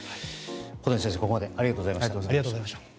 小谷先生、ここまでありがとうございました。